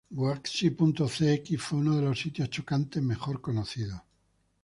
Goatse.cx fue uno de los sitios chocantes mejor conocidos.